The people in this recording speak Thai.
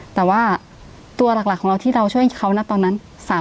แต่ว่าตัวหลักของเราที่เราช่วยเขานะตอนนั้น